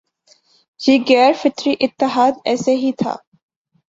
یہ غیر فطری اتحاد ایسے ہی تھا